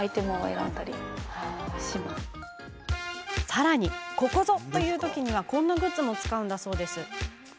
さらに、ここぞという時にはこんなグッズも使うんだとか。